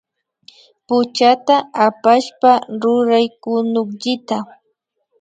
Puchata awashpa ruray kunukllita